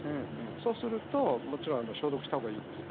そうすると、もちろん消毒したほうがいいです。